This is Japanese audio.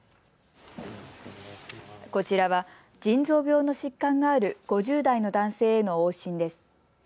こちらは腎臓病の疾患がある５０代の男性への往診です。